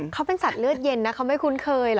เขาเป็นสัตว์เลือดเย็นนะเขาไม่คุ้นเคยนะ